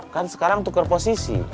kan sekarang tuker posisi